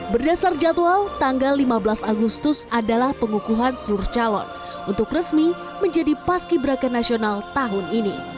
berdasar jadwal tanggal lima belas agustus adalah pengukuhan seluruh calon untuk resmi menjadi paski beraka nasional tahun ini